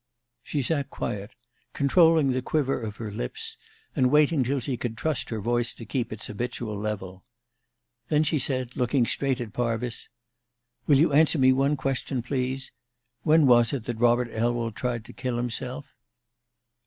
She sat quiet, controlling the quiver of her lips, and waiting till she could trust her voice to keep its habitual level; then she said, looking straight at Parvis: "Will you answer me one question, please? When was it that Robert Elwell tried to kill himself?"